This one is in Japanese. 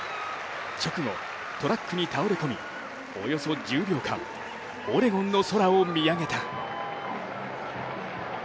直後、トラックに倒れ込み、およそ１０秒間、オレゴンの空を見上げた。